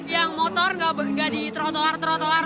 yang motor gak di trotoar trotoar tuh